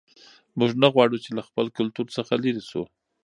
موږ نه غواړو چې له خپل کلتور څخه لیرې سو.